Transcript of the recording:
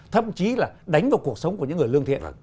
thậm chí là đánh vào cuộc sống của những người lương thiện